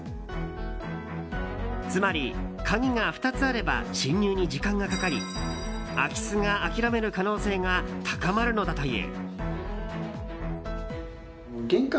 つまり、鍵が２つあれば侵入に時間がかかり空き巣が諦める可能性が高まるのだという。